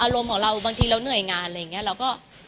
ของเราบางทีเราเหนื่อยงานอะไรอย่างเงี้ย